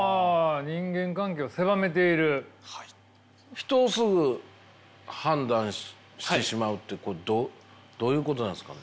人をすぐ判断してしまうってこれはどういうことなんですかね。